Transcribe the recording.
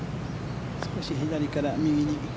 少し左から右に。